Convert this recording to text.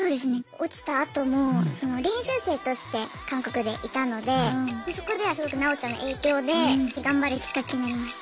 落ちたあとも練習生として韓国でいたのでそこではすごくなおちゃんの影響で頑張るきっかけになりました。